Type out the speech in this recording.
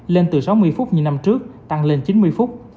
lên từ sáu mươi phút như năm trước tăng lên chín mươi phút